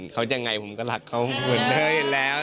เขายังไงผมก็รักเขาเหมือนเคยเห็นแล้ว